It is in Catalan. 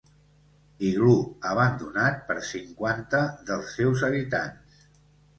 Iglú abandonat per cinquanta dels seus habitants.